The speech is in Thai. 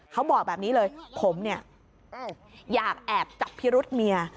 เขาบอกแบบนี้เลยผมเนี่ยอยากแอบจับพิรุษเมีย